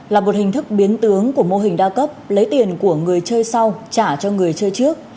là một hình thức biến tướng của mô hình đa cấp lấy tiền của người chơi sau trả cho người chơi trước